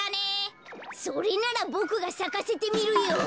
それならボクがさかせてみるよ。